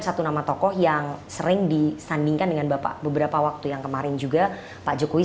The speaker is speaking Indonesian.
satu nama tokoh yang sering disandingkan dengan bapak beberapa waktu yang kemarin juga pak jokowi